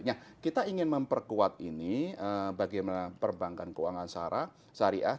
nah kita ingin memperkuat ini bagaimana perbankan keuangan syara syariah